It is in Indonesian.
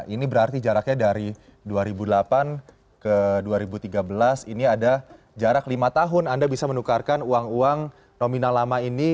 ini berarti jaraknya dari dua ribu delapan ke dua ribu tiga belas ini ada jarak lima tahun anda bisa menukarkan uang uang nominal lama ini